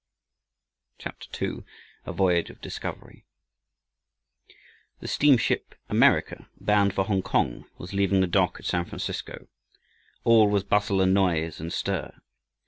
CHAPTER II. A VOYAGE OF DISCOVERY The steamship America, bound for Hongkong, was leaving the dock at San Francisco. All was bustle and noise and stir.